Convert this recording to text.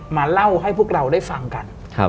มาเล่าให้พวกเราได้ฟังกัน